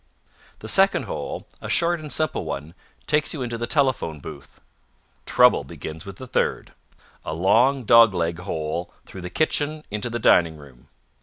The second hole, a short and simple one, takes you into the telephone booth. Trouble begins with the third, a long dog leg hole through the kitchen into the dining room.